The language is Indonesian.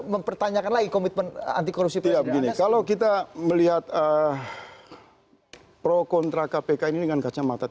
mempertanyakan lagi komitmen anti korupsi tidak begini kalau kita melihat pro kontra kpk ini dengan kacamata